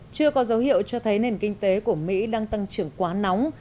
chưa có dấu hiệu cho thấy nền kinh tế của mỹ đang tăng trưởng quá nóng